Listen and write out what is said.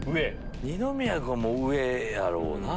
二宮君上やろうな。